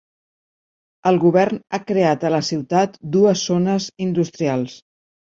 El govern ha creat a la ciutat dues zones industrials.